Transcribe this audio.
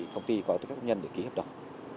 công ty có khách hợp nhân để ký hợp đồng